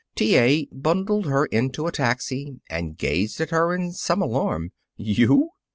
T. A. bundled her into a taxi and gazed at her in some alarm. "You!